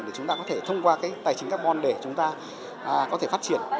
để chúng ta có thể thông qua cái tài chính carbon để chúng ta có thể phát triển